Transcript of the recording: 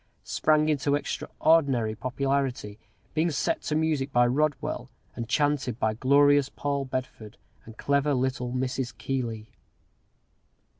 _" sprang into extraordinary popularity, being set to music by Rodwell, and chanted by glorious Paul Bedford and clever little Mrs. Keeley.